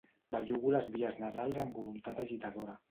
Bellugo les vies nasals amb voluntat agitadora.